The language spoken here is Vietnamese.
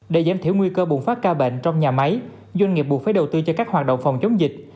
để giảm thiểu nguy cơ bùng phát ca bệnh trong nhà máy doanh nghiệp buộc phải đầu tư cho các hoạt động phòng chống dịch